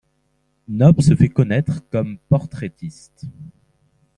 Nöbbe se fait connaître comme portraitiste.